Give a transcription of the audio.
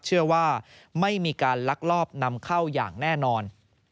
เชื่อว่าไม่มีการลักลอบนำเข้าอย่างแน่นอน